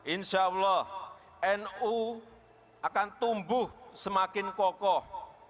insya allah nu akan tumbuh semakin kokoh